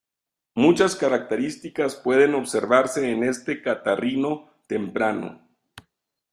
Muchas características pueden observarse en este catarrino temprano.